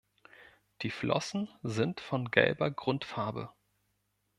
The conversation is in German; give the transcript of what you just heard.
Die Flossen sind von gelber Grundfarbe.